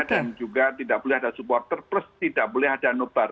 dan juga tidak boleh ada supporter plus tidak boleh ada noobar